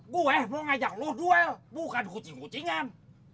gue belum ajak lo duel bukan kucing kucingan